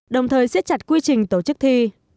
đồng thời xét chặt quy trình tổ chức thi